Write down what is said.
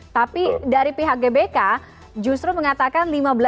tapi dari pihak gbk justru mengatakan lima belas